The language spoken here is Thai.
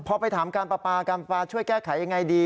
พอไปถามการปลาปลาการปลาช่วยแก้ไขยังไงดี